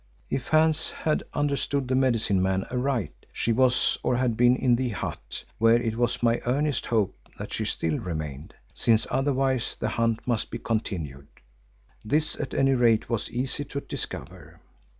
If Hans had understood the medicine man aright, she was, or had been, in the hut, where it was my earnest hope that she still remained, since otherwise the hunt must be continued. This at any rate was easy to discover.